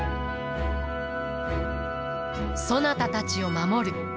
そなたたちを守る。